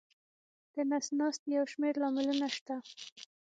د نس ناستي یو شمېر لاملونه شته.